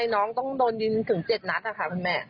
น้องต้องโดนยิงถึง๗นัดนะคะคุณแม่